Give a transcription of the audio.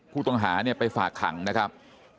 ผู้ตงหานี่ไปฝากคังนะครับ